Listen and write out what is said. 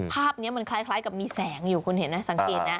ภาพนี้มันคล้ายกับมีแสงอยู่คุณเห็นนะสังเกตนะ